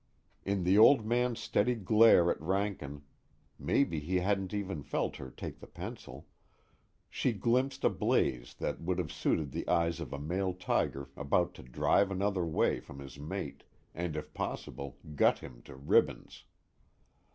In the Old Man's steady glare at Rankin maybe he hadn't even felt her take the pencil she glimpsed a blaze that would have suited the eyes of a male tiger about to drive another way from his mate and if possible gut him to ribbons.